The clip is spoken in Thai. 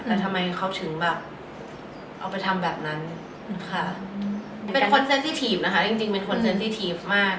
แล้วทำไมเขาถึงแบบเอาไปทำแบบนั้นค่ะเป็นคนเซ็นตี้ทีฟนะคะจริงเป็นคนเซ็นตี้ทีฟมาก